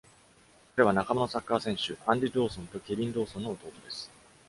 彼は仲間のサッカー選手アンディ・ドーソンとケビン・ドーソンの弟です。